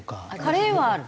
カレーはある？